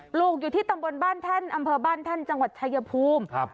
ลูกอยู่ที่ตำบลบ้านแท่นอำเภอบ้านแท่นจังหวัดชายภูมิครับ